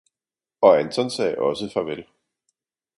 Og Anthon sagde ogsaa Farvel.